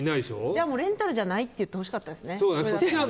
じゃあレンタルじゃないって言ってほしかったですね。